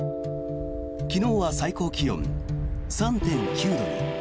昨日は最高気温３．９度に。